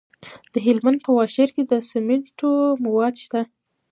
د هلمند په واشیر کې د سمنټو مواد شته.